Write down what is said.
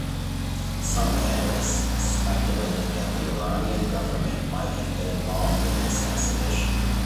Some analysts speculated that the Iranian government might have been involved in the assassination.